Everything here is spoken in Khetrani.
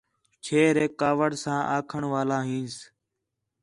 چھیریک کاوِڑ ساں آکھݨ والا ہینس